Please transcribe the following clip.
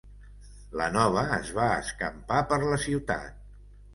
La nova es va escampar per la ciutat.